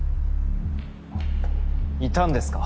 いたんですか？